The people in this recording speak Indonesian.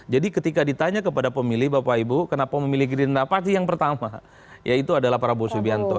jadi ketika ditanya kepada pemilih bapak ibu kenapa memilih gerindra pasti yang pertama yaitu adalah prabowo subianto